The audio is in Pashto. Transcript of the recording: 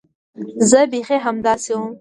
زه بيخي همداسې وم.